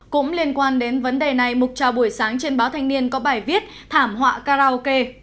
cũng liên quan đến vấn đề này mục trao buổi sáng trên báo thanh niên có bài viết thảm họa karaoke